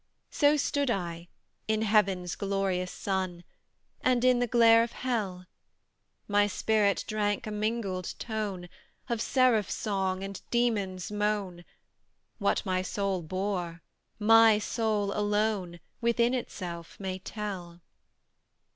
So stood I, in Heaven's glorious sun, And in the glare of Hell; My spirit drank a mingled tone, Of seraph's song, and demon's moan; What my soul bore, my soul alone Within itself may tell!